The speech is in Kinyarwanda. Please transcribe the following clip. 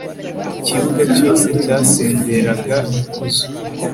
ikibuga cyose cyasenderaga ikuzo